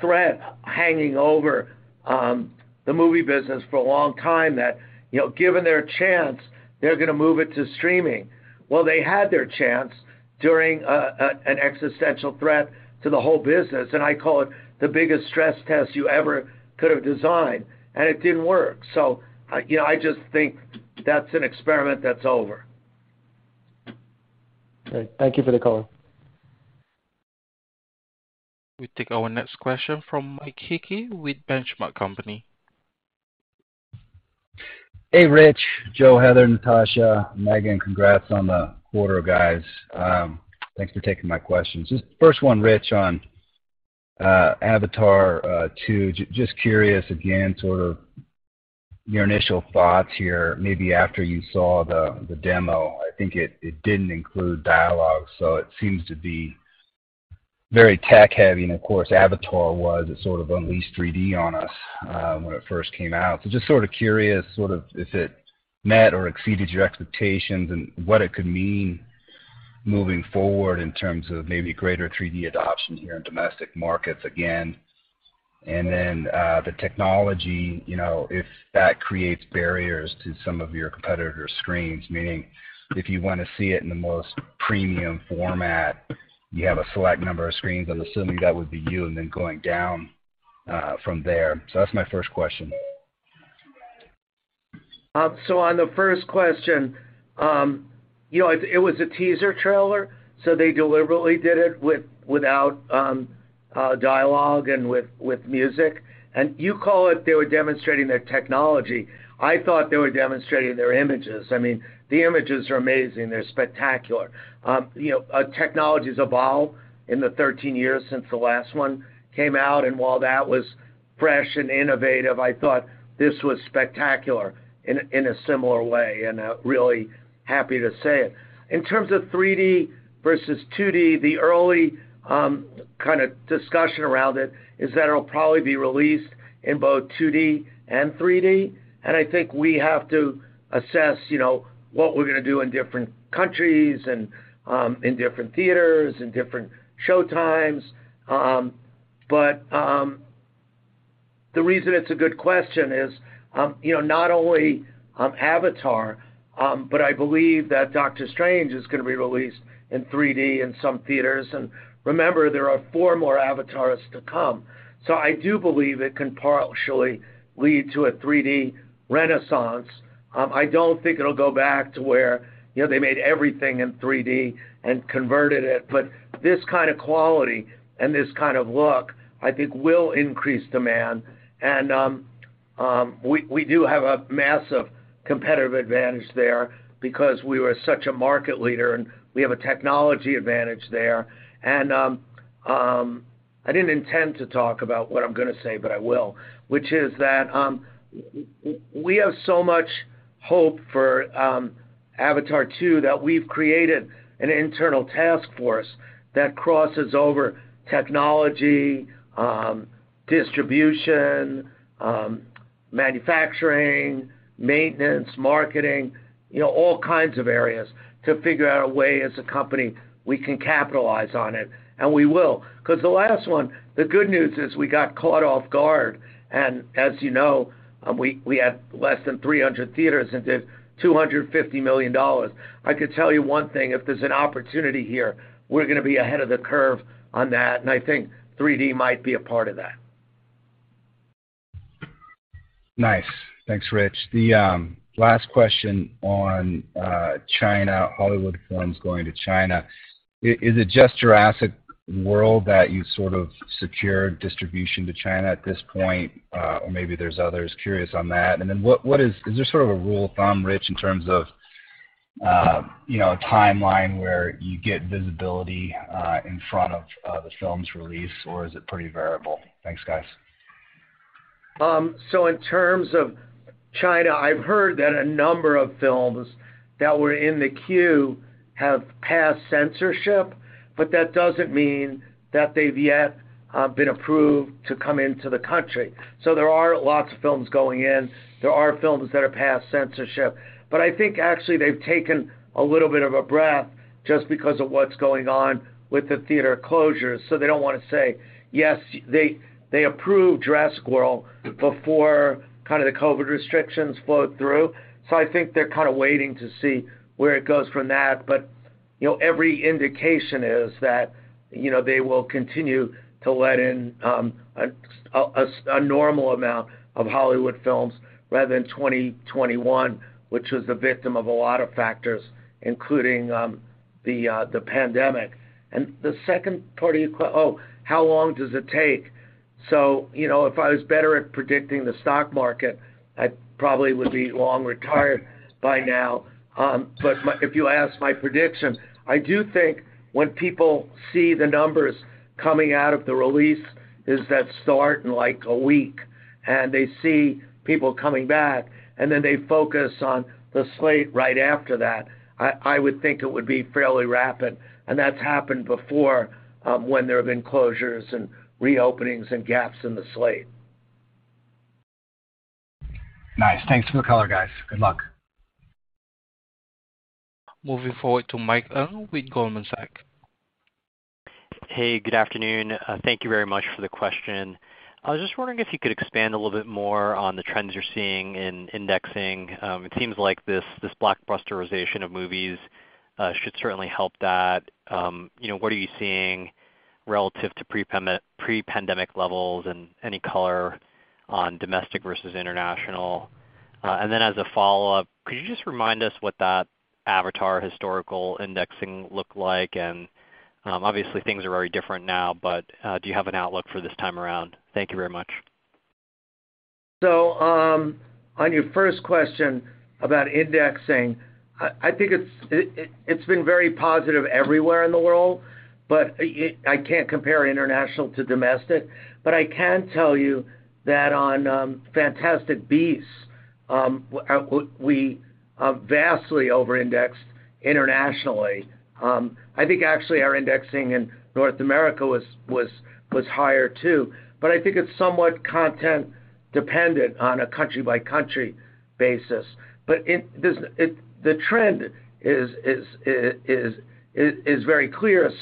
threat hanging over the movie business for a long time that, you know, given their chance, they're gonna move it to streaming. Well, they had their chance during an existential threat to the whole business, and I call it the biggest stress test you ever could have designed, and it didn't work. You know, I just think that's an experiment that's over. Great. Thank you for the call. We take our next question from Mike Hickey with The Benchmark Company. Hey, Rich, Joe, Heather, Natasha, Megan. Congrats on the quarter, guys. Thanks for taking my questions. Just first one, Rich, on Avatar 2. Just curious again, sort of your initial thoughts here, maybe after you saw the demo. I think it didn't include dialogue, so it seems to be very tech-heavy. Of course, Avatar was. It sort of unleashed 3D on us when it first came out. Just sort of curious, sort of if it met or exceeded your expectations and what it could mean moving forward in terms of maybe greater 3D adoption here in domestic markets again. Then, the technology, you know, if that creates barriers to some of your competitors' screens, meaning if you wanna see it in the most premium format, you have a select number of screens. I'm assuming that would be you and then going down from there. That's my first question. On the first question, you know, it was a teaser trailer, so they deliberately did it without dialogue and with music. You call it they were demonstrating their technology. I thought they were demonstrating their images. I mean, the images are amazing. They're spectacular. You know, technologies evolve in the 13 years since the last one came out, and while that was fresh and innovative, I thought this was spectacular in a similar way, and I'm really happy to say it. In terms of 3D versus 2D, the early kinda discussion around it is that it'll probably be released in both 2D and 3D. I think we have to assess, you know, what we're gonna do in different countries and in different theaters and different showtimes. The reason it's a good question is, you know, not only Avatar, but I believe that Doctor Strange is gonna be released in 3D in some theaters. Remember, there are four more Avatars to come. I do believe it can partially lead to a 3D renaissance. I don't think it'll go back to where, you know, they made everything in 3D and converted it, but this kind of quality and this kind of look, I think will increase demand. We do have a massive competitive advantage there because we were such a market leader, and we have a technology advantage there. I didn't intend to talk about what I'm gonna say, but I will, which is that we have so much hope for Avatar 2 that we've created an internal task force that crosses over technology, distribution, manufacturing, maintenance, marketing, you know, all kinds of areas to figure out a way as a company we can capitalize on it, and we will. 'Cause the last one, the good news is we got caught off guard, and as you know, we had less than 300 theaters and did $250 million. I could tell you one thing, if there's an opportunity here, we're gonna be ahead of the curve on that, and I think 3D might be a part of that. Nice. Thanks, Rich. The last question on China, Hollywood films going to China. Is it just Jurassic World that you sort of secured distribution to China at this point, or maybe there's others? Curious on that. Is there sort of a rule of thumb, Rich, in terms of, you know, timeline where you get visibility in front of the film's release, or is it pretty variable? Thanks, guys. In terms of China, I've heard that a number of films that were in the queue have passed censorship, but that doesn't mean that they've yet been approved to come into the country. There are lots of films going in. There are films that have passed censorship. But I think actually they've taken a little bit of a breath just because of what's going on with the theater closures. They don't wanna say yes, they approved Jurassic World before kind of the COVID restrictions flowed through. I think they're kind of waiting to see where it goes from that. You know, every indication is that, you know, they will continue to let in a normal amount of Hollywood films rather than 2021, which was the victim of a lot of factors, including the pandemic. The second part of your question. Oh, how long does it take? You know, if I was better at predicting the stock market, I probably would be long retired by now. But if you ask my prediction, I do think when people see the numbers coming out of the releases that start in like a week, and they see people coming back, and then they focus on the slate right after that. I would think it would be fairly rapid, and that's happened before, when there have been closures and reopenings and gaps in the slate. Nice. Thanks for the color, guys. Good luck. Moving forward to Mike Ng with Goldman Sachs. Hey, good afternoon. Thank you very much for the question. I was just wondering if you could expand a little bit more on the trends you're seeing in indexing. It seems like this blockbusterization of movies should certainly help that. You know, what are you seeing relative to prepandemic levels, and any color on domestic versus international? And then as a follow-up, could you just remind us what that Avatar historical indexing look like? Obviously, things are very different now, but do you have an outlook for this time around? Thank you very much. I think it's been very positive everywhere in the world, but I can't compare international to domestic. I can tell you that on Fantastic Beasts, we vastly over-indexed internationally. I think actually our indexing in North America was higher too, but I think it's somewhat content-dependent on a country-by-country basis. The trend is very clear.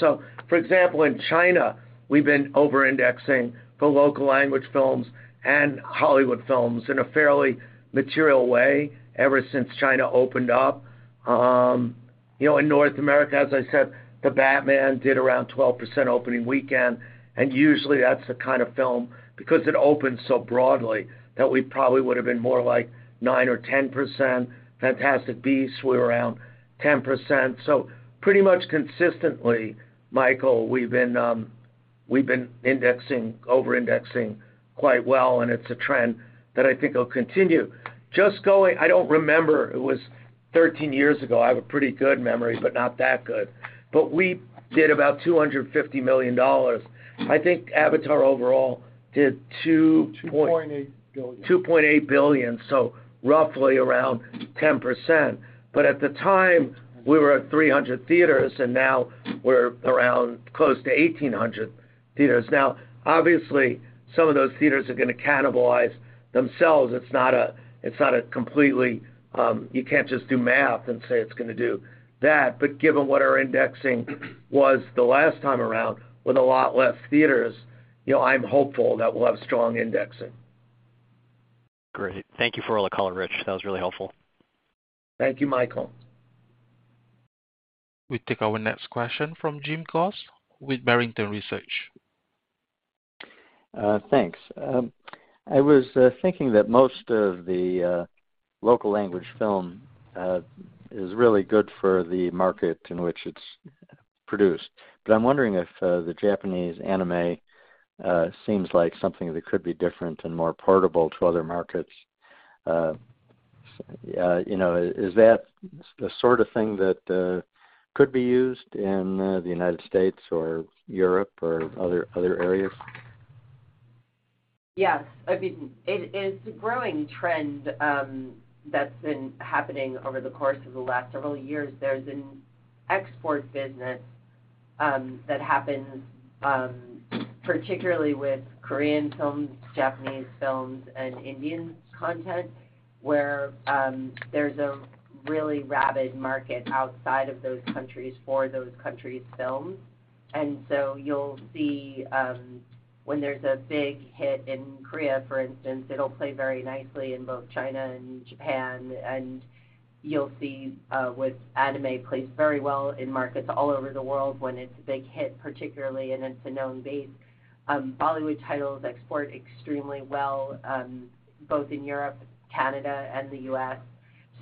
For example, in China, we've been over-indexing for local language films and Hollywood films in a fairly material way ever since China opened up. You know, in North America, as I said, The Batman did around 12% opening weekend, and usually, that's the kind of film, because it opens so broadly, that we probably would've been more like 9% or 10%. Fantastic Beasts, we're around 10%. Pretty much consistently, Michael, we've been indexing, over-indexing quite well, and it's a trend that I think will continue. I don't remember. It was 13 years ago. I have a pretty good memory, but not that good. We did about $250 million. I think Avatar overall did $2.... $2.8 billion. $2.8 billion, so roughly around 10%. At the time, we were at 300 theaters, and now we're around close to 1,800 theaters. Now, obviously, some of those theaters are gonna cannibalize themselves. It's not a completely, you can't just do math and say it's gonna do that. Given what our indexing was the last time around with a lot less theaters, you know, I'm hopeful that we'll have strong indexing. Great. Thank you for all the color, Rich. That was really helpful. Thank you, Michael. We take our next question from Jim Goss with Barrington Research. Thanks. I was thinking that most of the local language film is really good for the market in which it's produced. I'm wondering if the Japanese anime seems like something that could be different and more portable to other markets. You know, is that the sort of thing that could be used in the United States or Europe or other areas? Yes. I mean, it is a growing trend that's been happening over the course of the last several years. There's an export business that happens particularly with Korean films, Japanese films, and Indian content, where there's a really rabid market outside of those countries for those countries' films. You'll see when there's a big hit in Korea, for instance, it'll play very nicely in both China and Japan. You'll see with anime plays very well in markets all over the world when it's a big hit, particularly, and it's a known base. Bollywood titles export extremely well both in Europe, Canada, and the U.S.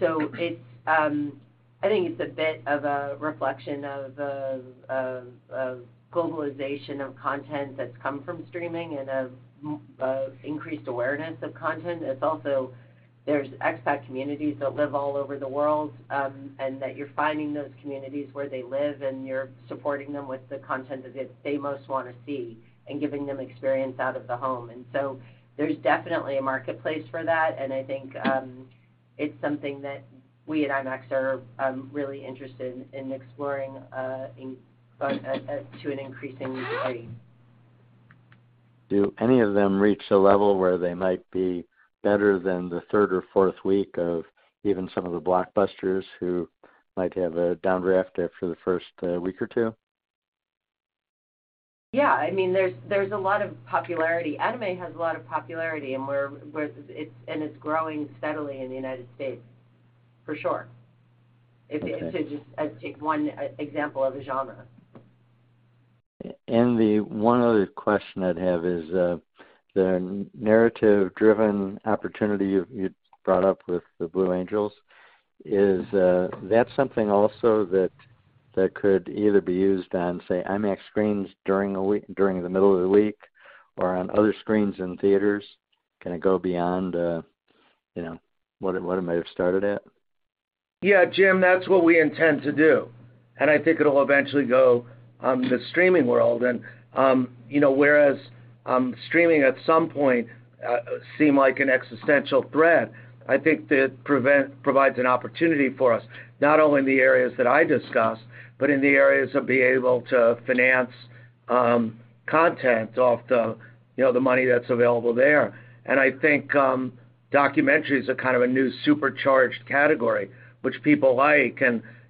It's I think it's a bit of a reflection of globalization of content that's come from streaming and of increased awareness of content. It's also, there's expat communities that live all over the world, and that you're finding those communities where they live, and you're supporting them with the content that they most wanna see and giving them experience out of the home. There's definitely a marketplace for that, and I think it's something that we at IMAX are really interested in exploring to an increasing degree. Do any of them reach a level where they might be better than the third or fourth week of even some of the blockbusters who might have a downdraft after the first week or two? Yeah. I mean, there's a lot of popularity. Anime has a lot of popularity, and it's growing steadily in the United States, for sure. Okay. Just to take one example of a genre. The one other question I'd have is, the narrative-driven opportunity you've brought up with The Blue Angels. Is that something also that could either be used on, say, IMAX screens during the middle of the week or on other screens in theaters? Can it go beyond, you know, what it might have started at? Yeah, Jim, that's what we intend to do, and I think it'll eventually go the streaming world. You know, whereas streaming at some point seem like an existential threat, I think that provides an opportunity for us, not only in the areas that I discussed, but in the areas of being able to finance content off the you know the money that's available there. I think documentary is a kind of a new supercharged category which people like.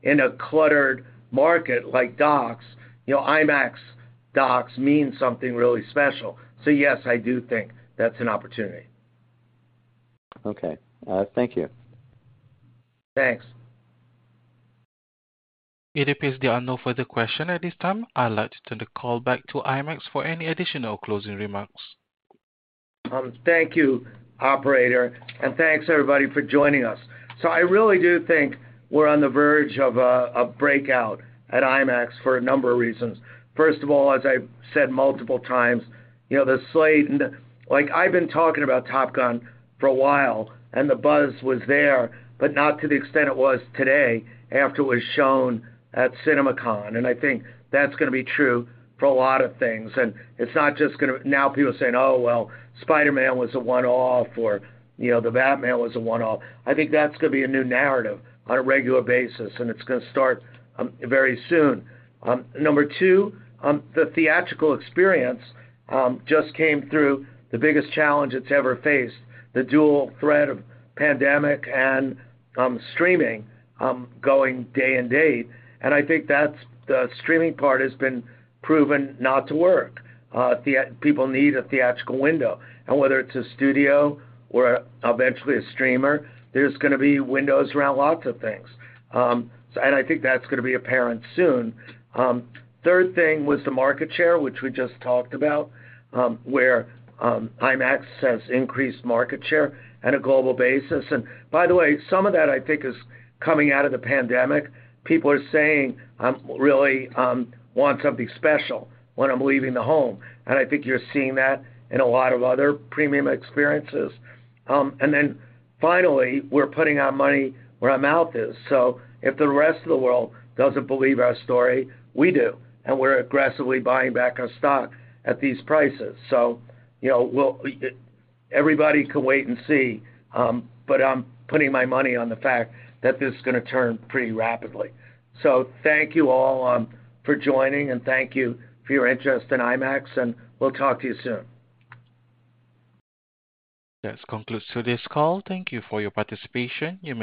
In a cluttered market like docs, you know, IMAX docs mean something really special. Yes, I do think that's an opportunity. Okay. Thank you. Thanks. It appears there are no further questions at this time. I'd like to turn the call back to IMAX for any additional closing remarks. Thank you, operator, and thanks everybody for joining us. I really do think we're on the verge of a breakout at IMAX for a number of reasons. First of all, as I've said multiple times, you know, the slate. Like, I've been talking about Top Gun for a while, and the buzz was there, but not to the extent it was today after it was shown at CinemaCon. I think that's gonna be true for a lot of things. It's not just. Now people are saying, "Oh, well, Spider-Man was a one-off," or, you know, "The Batman was a one-off." I think that's gonna be a new narrative on a regular basis, and it's gonna start very soon. Number two, the theatrical experience just came through the biggest challenge it's ever faced, the dual threat of pandemic and streaming going day and date, and I think that's the streaming part has been proven not to work. People need a theatrical window. Whether it's a studio or eventually a streamer, there's gonna be windows around lots of things. I think that's gonna be apparent soon. Third thing was the market share, which we just talked about, where IMAX has increased market share on a global basis. By the way, some of that, I think, is coming out of the pandemic. People are saying really want something special when I'm leaving the home, and I think you're seeing that in a lot of other premium experiences. Finally, we're putting our money where our mouth is. If the rest of the world doesn't believe our story, we do, and we're aggressively buying back our stock at these prices. You know, everybody can wait and see, but I'm putting my money on the fact that this is gonna turn pretty rapidly. Thank you all for joining, and thank you for your interest in IMAX, and we'll talk to you soon. This concludes today's call. Thank you for your participation. You may